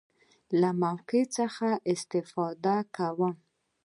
له موقع څخه استفاده کوم.